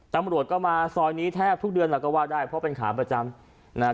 ตำรวจก็มาซอยนี้แทบทุกเดือนแล้วก็ว่าได้เพราะเป็นขาประจำนะครับ